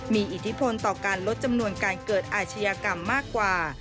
มีอิทธิพลต่อการลดจำนวนการเกิดอาชญากรรมมากกว่า